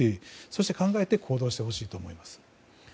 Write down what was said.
そして、考えて行動してほしいと思います。